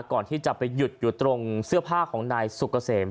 ก่อนที่จะไปหยุดอยู่ตรงเสื้อผ้าของนายสุกเกษม